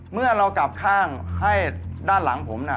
เมื่อเรากลับข้างให้ด้านหลังผมน่ะ